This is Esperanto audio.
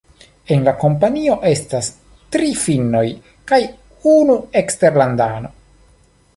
En la kompanio estas tri finnoj kaj unu eksterlandano.